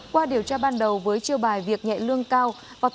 qua điều tra ban đầu với chiêu bài việc nhẹ lương cao